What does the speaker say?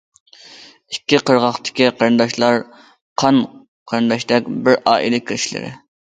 ئىككى قىرغاقتىكى قېرىنداشلار قان قېرىنداشتەك بىر ئائىلە كىشىلىرى.